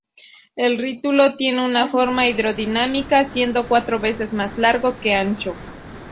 El rutilo tiene una forma hidrodinámica, siendo cuatro veces más largo que ancho.